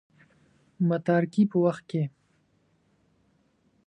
متارکې په وخت کې.